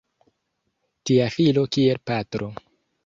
Tia filo kiel patro!